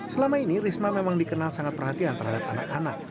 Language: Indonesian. selama ini risma memang dikenal sangat perhatian terhadap anak anak